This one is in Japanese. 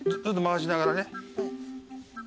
ずっと回しながらね。